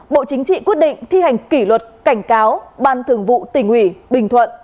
bộ chính trị quyết định thi hành kỷ luật cảnh cáo ban thường vụ tỉnh ủy bình thuận